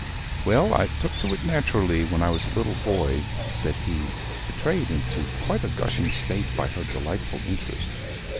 'Well, I took to it naturally when I was a little boy,' said he, betrayed into quite a gushing state by her delightful interest.